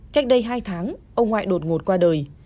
cách đây hai tháng ông ngoại đột ngột qua đời